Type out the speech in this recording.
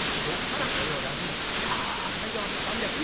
「あさいでおますか３００。